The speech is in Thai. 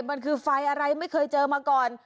มันคือไฟอะไรไม่เคยเจอมาก่อน